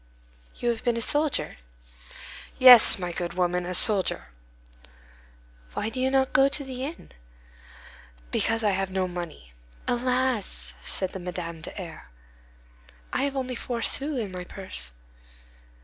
"You have been a soldier?" "Yes, my good woman, a soldier." "Why do you not go to the inn?" "Because I have no money." "Alas!" said Madame de R——, "I have only four sous in my purse."